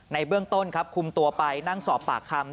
เบื้องต้นครับคุมตัวไปนั่งสอบปากคำ